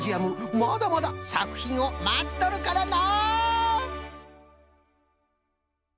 まだまださくひんをまっとるからの！